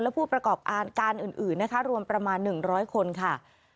และผู้ประกอบการการอื่นนะคะรวมประมาณ๑๐๐คนค่ะ